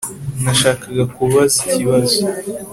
Nashakaga kubaza ikibazo